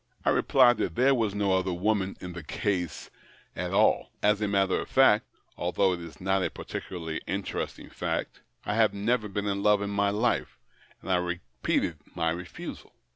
I replied that there was no other woman in the case at all — as a matter of fact, althouo h it is not a particularly interesting fact, I have never Ijeen in love in my life — and I repeated my refusal.